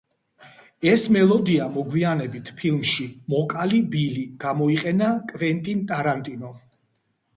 ეს მელოდია მოგვიანებით ფილმში „მოკალი ბილი“ გამოიყენა კვენტინ ტარანტინომ.